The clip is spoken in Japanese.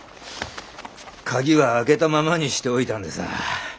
鍵は開けたままにしておいたんでさ。